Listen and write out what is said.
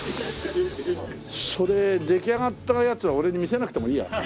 それ出来上がったやつは俺に見せなくてもいいや。